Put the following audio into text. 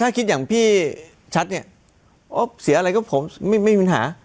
ถ้าคิดอย่างพี่ชัดเนี่ยอ๊อฟเสียอะไรก็ผมไม่มีปัญหา